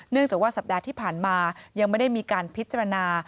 จากว่าสัปดาห์ที่ผ่านมายังไม่ได้มีการพิจารณา